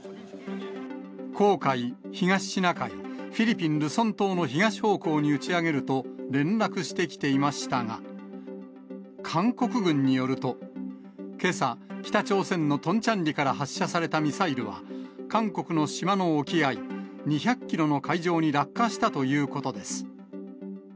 黄海、東シナ海、フィリピン・ルソン島の東方向に打ち上げると連絡してきていましたが、韓国軍によると、けさ、北朝鮮のトンチャンリから発射されたミサイルは、韓国の島の沖合２００キロの海上に落下したということです。